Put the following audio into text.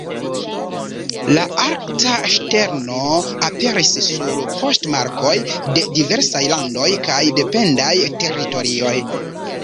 La Arkta ŝterno aperis sur poŝtmarkoj de diversaj landoj kaj dependaj teritorioj.